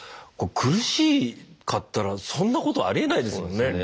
こう苦しかったらそんなことありえないですもんね。